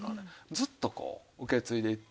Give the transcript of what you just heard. ずっとこう受け継いでいって。